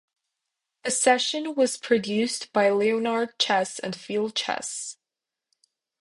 The session was produced by Leonard Chess and Phil Chess.